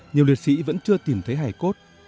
nhiều liệt sĩ vẫn chưa tìm thấy hải cốt